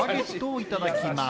いただきます。